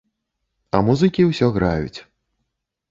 А музыкі ўсё граюць.